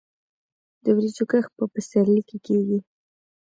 د وریجو کښت په پسرلي کې کیږي.